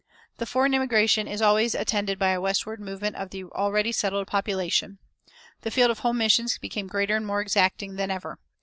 [357:1] The foreign immigration is always attended by a westward movement of the already settled population. The field of home missions became greater and more exacting than ever.